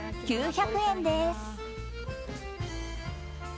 ９００円です。